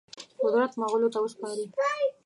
قدرت مغولو ته وسپاري.